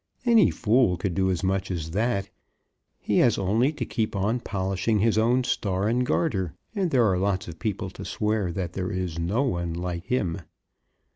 Any fool could do as much as that. He has only to keep on polishing his own star and garter, and there are lots of people to swear that there is no one like him.